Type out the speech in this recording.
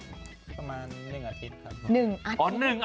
ประมาณ๑อาทิตย์ครับ